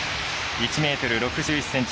１ｍ６１ｃｍ。